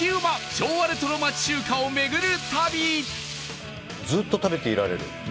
昭和レトロ町中華を巡る旅